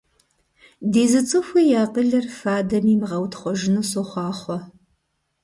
Ди зы цӀыхуи и акъылыр фадэм имыгъэутхъужыну сохъуахъуэ!